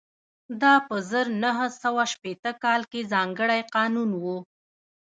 دا په زر نه سوه شپېته کال کې ځانګړی قانون و